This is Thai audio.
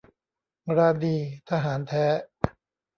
ราณี ทหารแท้